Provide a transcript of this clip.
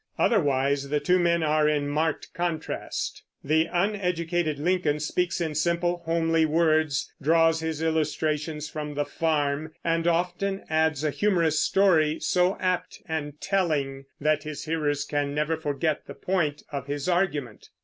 Otherwise the two men are in marked contrast. The uneducated Lincoln speaks in simple, homely words, draws his illustrations from the farm, and often adds a humorous story, so apt and "telling" that his hearers can never forget the point of his argument.